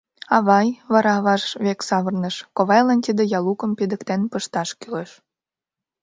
— Авай, — вара аваж век савырныш, — ковайлан тиде ялукым пидыктен пышташ кӱлеш.